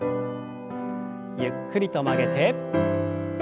ゆっくりと曲げて。